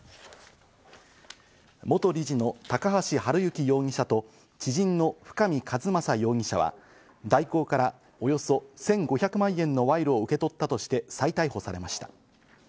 元理事の高橋治之容疑者と知人の深見和政容疑者は大広からおよそ１５００万円の賄賂を受け取ったとして再逮捕されました。